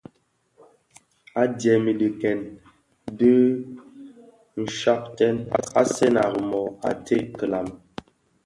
Adyèm i dhikèn dü di nshaaktèn; Asèn a Rimoh a ted kilami.